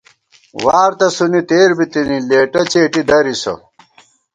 وار تسُونی تېر بِتِنی لېٹہ څېٹی دریسہ